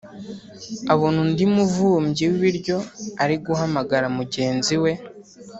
abona undi muvumbyi w’ibiryo ari guhamagara mugenzi we